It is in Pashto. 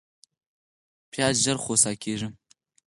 پیاز ژر خوسا کېږي